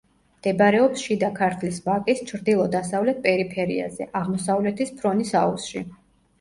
მდებარეობს შიდა ქართლის ვაკის ჩრდილო-დასავლეთ პერიფერიაზე, აღმოსავლეთის ფრონის აუზში.